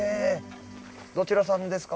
どちらさんですか？